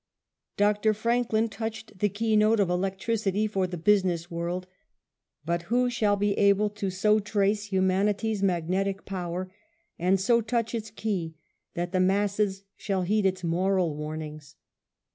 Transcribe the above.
Dr. Franklin touched the keynote of electricity for the business world ; but who shall be able to so trace humanities' magnetic power, and so touch its key, that the masses shall heed its moral warnings